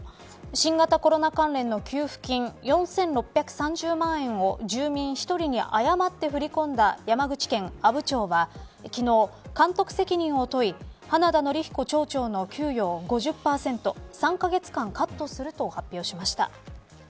新型コロナ関連の給付金４６３０万円を住民１人に誤って振り込んだ山口県阿武町は昨日、監督責任を問い花田憲彦町長の給与を５０％３カ月間カットすると発表しました。